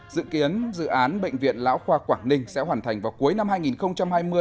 dự kiến dự án bệnh viện lão khoa quảng ninh sẽ hoàn thành vào cuối năm hai nghìn hai mươi